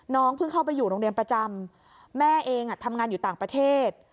เพิ่งเข้าไปอยู่โรงเรียนประจำแม่เองทำงานอยู่ต่างประเทศ